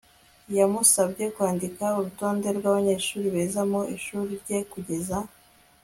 yamusabye kwandika urutonde rwabanyeshuri beza mu ishuri rye kugeza